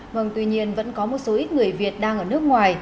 vâng tuy nhiên vẫn có một số ít người việt đang ở nước ngoài